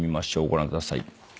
ご覧ください。